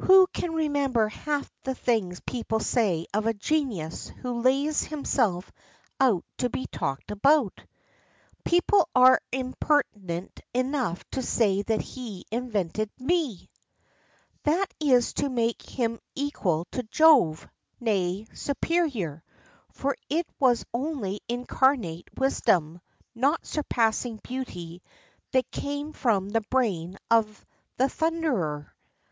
"Who can remember half the things people say of a genius who lays himself out to be talked about?" "People are impertinent enough to say that he invented me." "That is to make him equal to Jove, nay, superior, for it was only incarnate wisdom not surpassing beauty that came from the brain of the Thunderer."